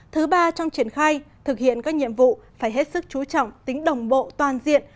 thứ ba trong triển khai thực hiện các nhiệm vụ phải hết sức chú trọng tính đồng bộ toàn diện